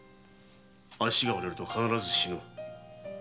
脚が折れると必ず死ぬ。